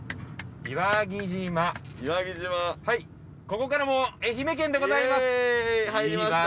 ここから愛媛県でございます。